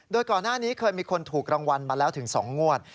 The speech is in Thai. โดยก่อนหน้านี้เคยมีคนถูกรางวัลมาแล้วถึง๒งวด